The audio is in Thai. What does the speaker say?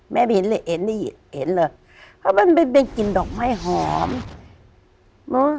แม่ไม่เห็นเลยเอ็นได้เห็นเอ็นเลยเพราะมันเป็นเป็นกลิ่นดอกไม้หอม